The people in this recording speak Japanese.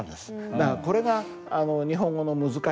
だからこれが日本語の難しさ？